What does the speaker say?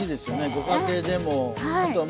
ご家庭でも。ね。